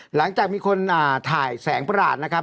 หลังจากมีคนถ่ายแสงประหลาดนะครับ